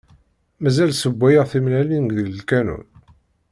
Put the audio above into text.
Mazal ssewwayyen timellalin deg lkanun?